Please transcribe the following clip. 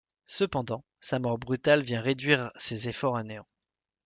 Cependant, sa mort brutale vient réduire ces efforts à néant.